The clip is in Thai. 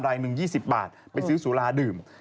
หนึ่ง๒๐บาทไปซื้อสุราดื่ม